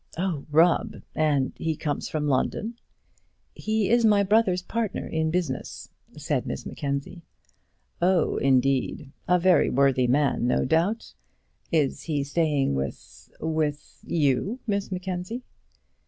"Oh, Rubb; and he comes from London?" "He is my brother's partner in business," said Miss Mackenzie. "Oh, indeed. A very worthy man, no doubt. Is he staying with with you, Miss Mackenzie?"